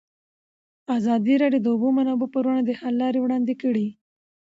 ازادي راډیو د د اوبو منابع پر وړاندې د حل لارې وړاندې کړي.